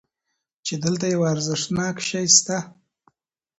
چې دلته یو ارزښتناک شی شته.